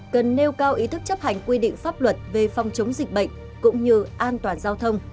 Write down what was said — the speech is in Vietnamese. cần nêu cao ý thức chấp hành quy định pháp luật về phòng chống dịch bệnh cũng như an toàn giao thông